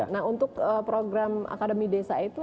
nah untuk program akademi desa itu